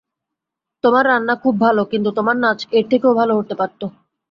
তোমার রান্না খুব ভালো, কিন্তু তোমার নাচ এর থেকেও ভালো হতে পারত।